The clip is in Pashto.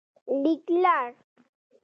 لیکلړ